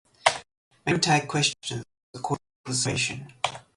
Make your own tag questions according to the situation.